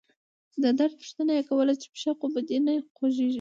د درد پوښتنه يې کوله چې پښه خو به دې نه خوږيږي.